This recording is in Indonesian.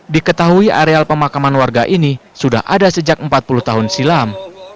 diketahui areal pemakaman warga ini sudah ada sejak empat puluh tahun silam